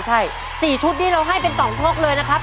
๔ชุดที่เราให้เป็น๒คลกเลยนะครับ